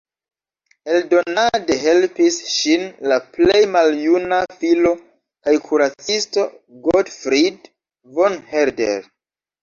Eldonade helpis ŝin la plej maljuna filo kaj kuracisto Gottfried von Herder.